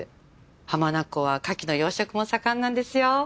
浜名湖は牡蠣の養殖も盛んなんですよ。